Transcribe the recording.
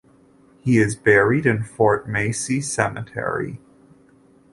He is buried in Fort Massey Cemetery.